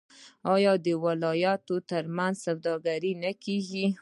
آیا د ولایتونو ترمنځ سوداګري نه کیږي؟